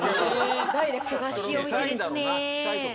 忙しいお店ですね。